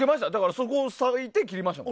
そこを避けて切りましたもん。